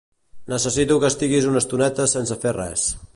Necessito que estiguis una estoneta sense fer res.